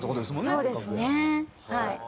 そうですねはい。